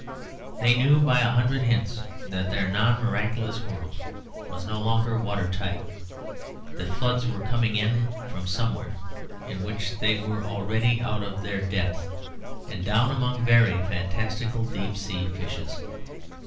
They knew by a hundred hints that their non miraculous world was no longer watertight; that floods were coming in from somewhere in which they were already out of their depth, and down among very fantastical deep sea fishes.